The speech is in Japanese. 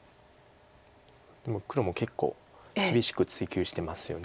もう黒も結構厳しく追及してますよね